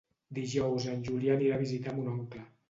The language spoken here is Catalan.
Dijous en Julià anirà a visitar mon oncle.